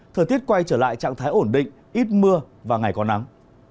thời tiết quay trở lại trạng thái ổn định ít mưa và ngày có nắng